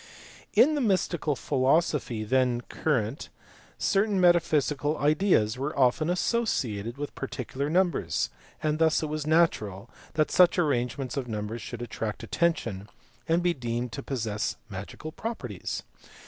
In the mystical philosophy then current certain metaphy sical ideas were often associated with particular numbers, and thus it was natural that such arrangements of numbers should attract attention and be deemed to possess magical properties.